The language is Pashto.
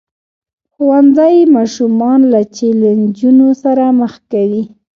ښوونځی ماشومان له چیلنجونو سره مخ کوي.